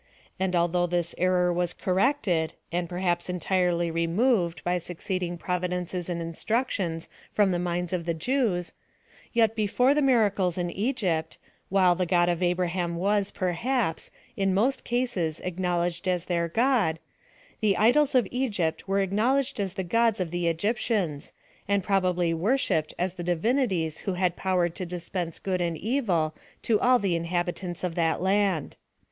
And although this error was corrected, and perhaps entirely re moved, by succeeding providences and instructions, from the minds of the Jev/s ; yet, before the mira cles in Egypt, while the God of Abraham was, per haps, in most cases acknowledged as their God, the idols of Egypt were acknowledged as the gods of the Egyptians, and probably worshipped as the di vinities who had power to dispense good and evil to all the inhabitants of that land.